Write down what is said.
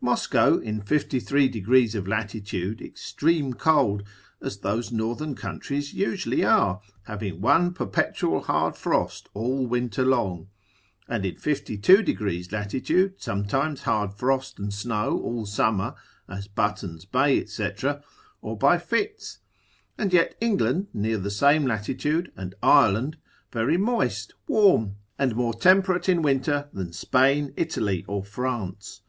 Moscow in 53. degrees of latitude extreme cold, as those northern countries usually are, having one perpetual hard frost all winter long; and in 52. deg. lat. sometimes hard frost and snow all summer, as Button's Bay, &c., or by fits; and yet England near the same latitude, and Ireland, very moist, warm, and more temperate in winter than Spain, Italy, or France.